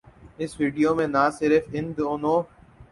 اس video میں نہ صرف ان دونوں